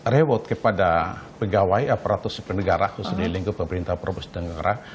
rewot kepada pegawai aparatus pendegara khususnya di lingkungan pemerintah provinsi tenggara